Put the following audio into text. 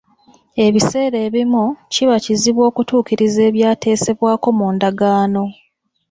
Ebiseera ebimu, kiba kizibu okutuukiriza ebyateesebwako mu ndagaano.